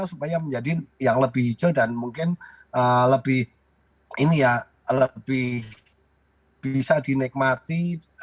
supaya menjadi yang lebih hijau dan mungkin lebih bisa dinikmati